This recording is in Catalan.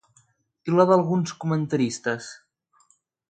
I la d'alguns comentaristes?